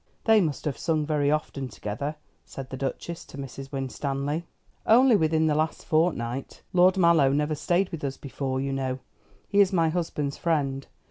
"They must have sung very often together," said the Duchess to Mrs. Winstanley. "Only within the last fortnight. Lord Mallow never stayed with us before, you know. He is my husband's friend.